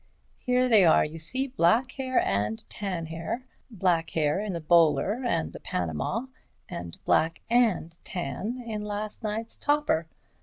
Here they are, you see, black hair and tan hair—black hair in the bowler and the panama, and black and tan in last night's topper.